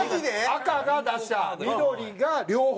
赤が打者緑が両方。